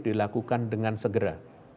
dilakukan dengan segera